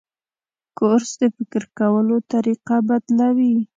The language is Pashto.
کورس د فکر کولو طریقه بدلوي.